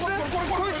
こいつ？